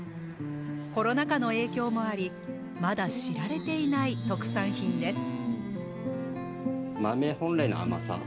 コロナ禍の影響もありまだ知られていない特産品です。